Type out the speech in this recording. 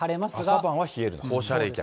朝晩は冷えるんだ。